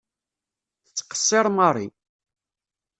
Tettqeṣṣiṛ Mary.